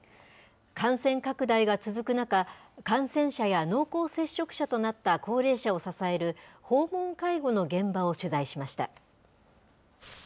感染拡大が続く中、感染者や濃厚接触者となった高齢者を支える訪問介護の現場を取材しました。